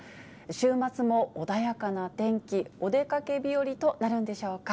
週末も穏やかな天気、お出かけ日和となるんでしょうか。